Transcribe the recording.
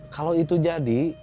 kalau itu jadi